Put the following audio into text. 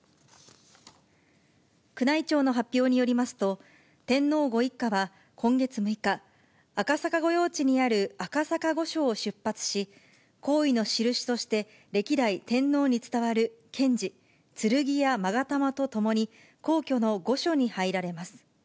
宮内庁の発表によりますと、天皇ご一家は今月６日、赤坂御用地にある赤坂御所を出発し、皇位の印として、歴代天皇に伝わる剣璽、剣やまが玉とともに、皇居の御所に入られます。